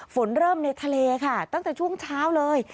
ฝนเริ่มในทะเลค่ะตั้งแต่ช่วงเช้าเลย